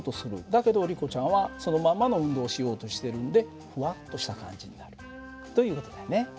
だけどリコちゃんはそのまんまの運動をしようとしてるんでふわっとした感じになるという事だよね。